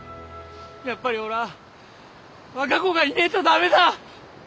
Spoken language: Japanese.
やっぱりおら和歌子がいねえど駄目だ。